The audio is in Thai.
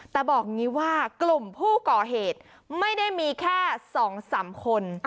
แต่บอกงี้ว่ากลุ่มผู้ก่อเหตุไม่ได้มีแค่๒๓คน